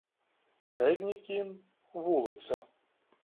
Передній кін — вулиця.